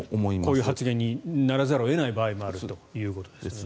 こういう発言にならざるを得ない場合もあるということですね。